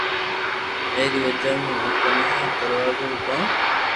اي ري وجہ مون مني آ درزو رو ڪوم